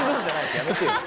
やめてよ。